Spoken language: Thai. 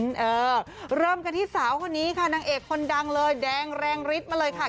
เออเริ่มกันที่สาวคนนี้ค่ะนางเอกคนดังเลยแดงแรงฤทธิ์มาเลยค่ะ